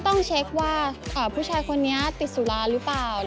ต้องเช็คว่าผู้ชายคนนี้ติดสุราหรือเปล่า